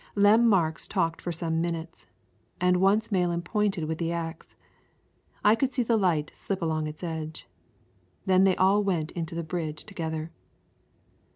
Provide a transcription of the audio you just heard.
Lem Marks talked for some minutes, and once Malan pointed with the axe. I could see the light slip along its edge. Then they all went into the bridge together.